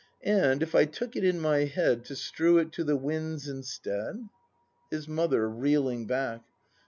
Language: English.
] And if I took it in my head To strew it to the winds, instead ? His Mother. [Reeling back.